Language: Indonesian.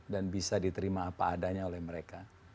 dan bisa diterima apa adanya oleh mereka